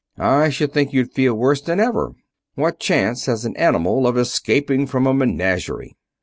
I should think you'd feel worse than ever. What chance has an animal of escaping from a menagerie?"